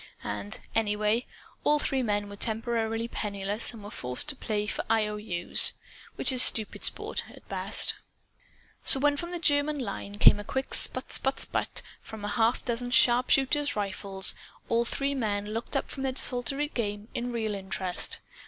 And, anyway, all three men were temporarily penniless and were forced to play for I.O.U's which is stupid sport, at best. So when, from the German line, came a quick sputt sputt sputt from a half dozen sharpshooters' rifles, all three men looked up from their desultory game in real interest.